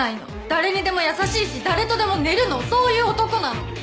誰にでも優しいし誰とでも寝るのそういう男なの。